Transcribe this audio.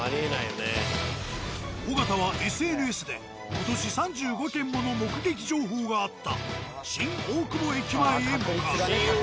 尾形はＳＮＳで今年３５件もの目撃情報があった新大久保駅前へ向かう。